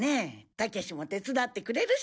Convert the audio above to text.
たけしも手伝ってくれるし。